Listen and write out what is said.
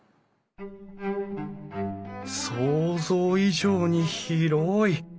想像以上に広い！